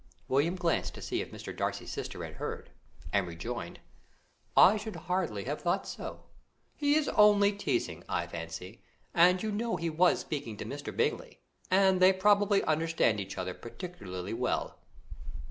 William glanced to see if Mr. Darcy's sister had heard, and rejoined, "I should hardly have thought so. He is only teasing, I fancy, and you know he was speaking to Mr. Bingley, and they probably understand each other particularly well."